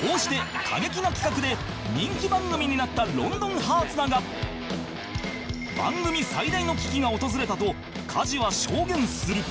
こうして過激な企画で人気番組になった『ロンドンハーツ』だが番組最大の危機が訪れたと加地は証言する